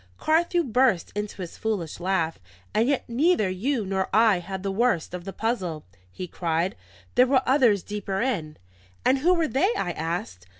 Carthew burst into his foolish laugh. "And yet neither you nor I had the worst of the puzzle," he cried. "There were others deeper in." "And who were they?" I asked.